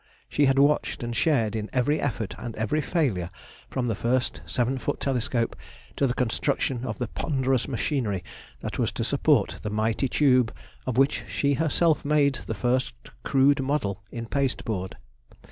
She had watched and shared in every effort and every failure from the first seven foot telescope to the construction of the ponderous machinery that was to support the mighty tube of which she herself made the first crude model in pasteboard.